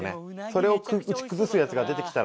それを打ち崩すやつが出てきたら。